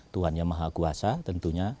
tuhan yang maha kuasa tentunya